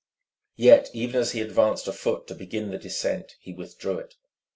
Yet even as he advanced a foot to begin the descent, he withdrew it.